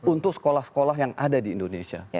untuk sekolah sekolah yang ada di indonesia